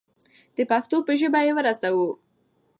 د پښتو په ژبه یې ورسوو.